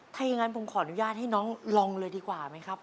ถ้าอย่างนั้นผมขออนุญาตให้น้องลองเลยดีกว่าไหมครับ